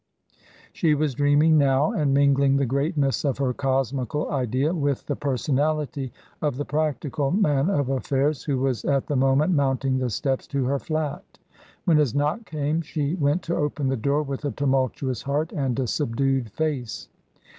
She was dreaming now, and mingling the greatness of her cosmical idea with the personality of the practical man of affairs who was at the moment mounting the steps to her flat. When his knock came, she went to open the door with a tumultu ous heart and a subdued face.